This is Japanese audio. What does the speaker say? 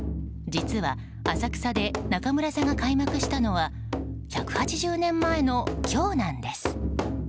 実は、浅草で中村座が開幕したのは１８０年前の今日なんです。